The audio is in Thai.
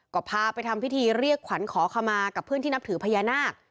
ก็พาไปทำพิธีเรียกขวัญขอขมากับเพื่อนที่นับถือพญานาค